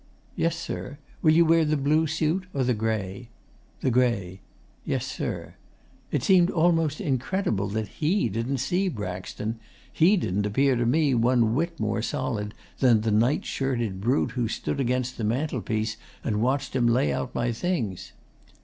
"Yessir. Will you wear the blue suit or the grey?" "The grey." "Yessir." It seemed almost incredible that HE didn't see Braxton; HE didn't appear to me one whit more solid than the night shirted brute who stood against the mantelpiece and watched him lay out my things.